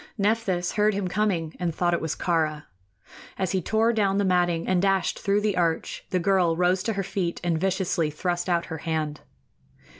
Nephthys heard him coming and thought it was Kāra. As he tore down the matting and dashed through the arch, the girl rose to her feet and viciously thrust out her hand.